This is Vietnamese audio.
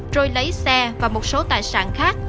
rồi lấy xe và một số tài sản khác